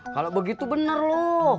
kalau begitu bener lo